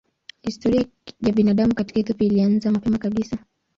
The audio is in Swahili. Historia ya binadamu katika Ethiopia ilianza mapema kabisa.